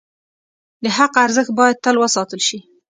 د حق ارزښت باید تل وساتل شي.